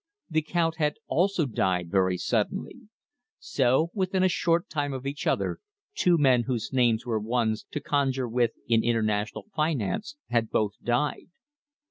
The Count had also died very suddenly. So within a short time of each other two men whose names were ones to conjure with in international finance had both died!